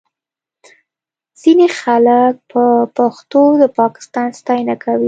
ځینې خلک په پښتو د پاکستان ستاینه کوي